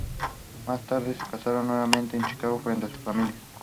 Más tarde se casaron nuevamente en Chicago frente a sus familias.